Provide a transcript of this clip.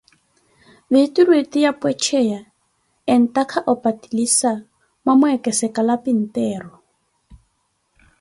Viituro eti ya pwecheya, entaka o patilisiwa, mwamweekese kalapinteero.